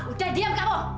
udah diam kamu